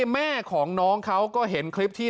แม่ของน้องเขาก็เห็นคลิปที่